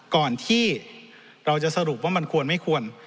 ก่อนที่เราจะสรุปว่ามันควรไม่ควร